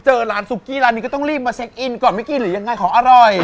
เจอร้านซุกกี้ร้านนี้ก็ต้องรีบมาเช็คอินก่อนเมื่อกี้หรือยังไงของอร่อย